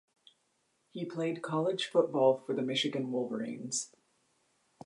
He played college football for the Michigan Wolverines.